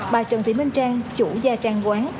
bà trần thị minh trang chủ gia trang quán